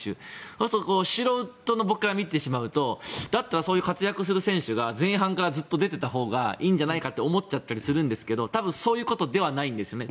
そうすると素人の僕から見てしまうとだったら、そういう活躍する選手が前半からずっと出ていればいいんじゃないかと思っちゃうんですけどそういうことではないんですよね。